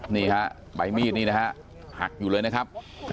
นี่ฮะใบมีดนี่นะฮะหักอยู่เลยนะครับ